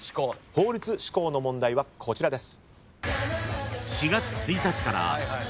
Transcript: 法律施行の問題はこちらです。